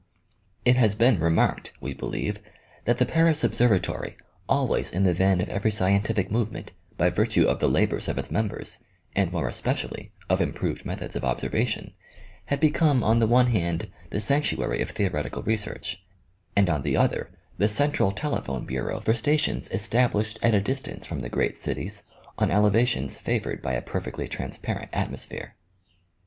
It has been remarked, we believe, that the Paris observa tory, always in the van of every scientific movement, by virtue of the labors of its members, and more especially, of improved methods of observation, had become, on the one hand, the sanctuary of theoretical research, and on the OMEGA 2T tiy yuan Paul Lauren*. 22 OMEGA. other the central telephone bureau for stations established at a distance from the great cities on elevations favored by a perfectly transparent atmosphere.